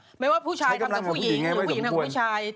ใช้กำลังให้ผู้หญิงหรือผู้หญิงทำผู้ชาย